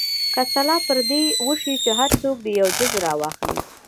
که سلا پر دې وشي چې هر څوک دې یو جز راواخلي.